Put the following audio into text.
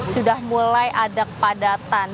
sudah mulai ada kepadatan